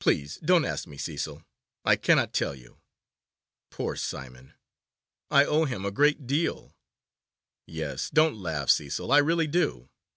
'Please don't ask me, Cecil, I cannot tell you. Poor Sir Simon! I owe him a great deal. Yes, don't laugh, Cecil, I really do.